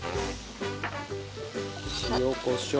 塩コショウ。